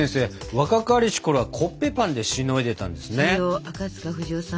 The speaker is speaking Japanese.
若かりしころはコッペパンでしのいでたんですね。